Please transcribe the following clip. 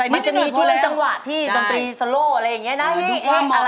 มันจะมีช่วงจังหวะที่ดนตรีโซโล่อะไรอย่างนี้นะ